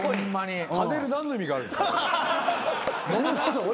パネル何の意味があるんですか？